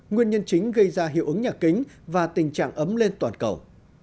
nguyên nhân chính gây ra hiệu ứng nhà kính và tình trạng ấm lên toàn cầu